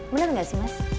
bener nggak sih mas